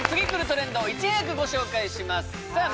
トレンドをいち早くご紹介しますさあ